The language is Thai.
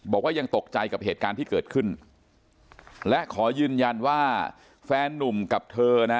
บอกว่ายังตกใจกับเหตุการณ์ที่เกิดขึ้นและขอยืนยันว่าแฟนนุ่มกับเธอนะ